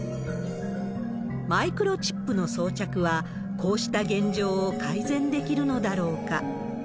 マイクロチップの装着は、こうした現状を改善できるのだろうか。